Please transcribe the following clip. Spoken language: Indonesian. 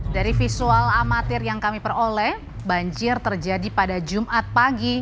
dari visual amatir yang kami peroleh banjir terjadi pada jumat pagi